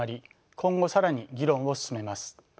今後更に議論を進めます。